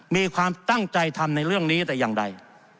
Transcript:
มีความตั้งใจทำในเรื่องนี้แต่อย่างใด